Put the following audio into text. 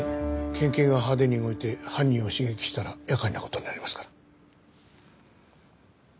県警が派手に動いて犯人を刺激したら厄介な事になりますから。